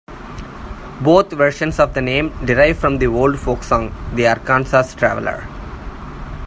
Both versions of the name derive from the old folk song, "The Arkansas Traveler".